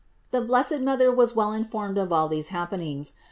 698. The blessed Mother was well informed of all these happenings.